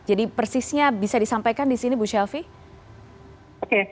jadi persisnya bisa disampaikan di sini bu shelfie